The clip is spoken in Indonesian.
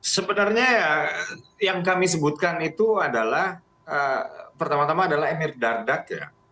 sebenarnya yang kami sebutkan itu adalah pertama tama adalah emir dardak ya